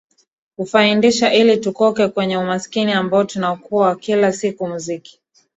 kufaindisha ili tukoke kwenye umaskini ambao tunakua kila siku muziki